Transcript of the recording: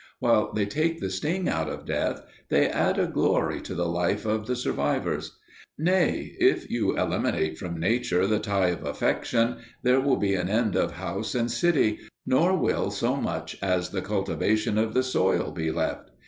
While they take the sting out of death, they add a glory to the life of the survivors. Nay, if you eliminate from nature the tie of affection, there will be an end of house and city, nor will so much as the cultivation of the soil be left.